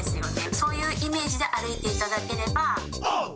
そういうイメージで歩いていただければ。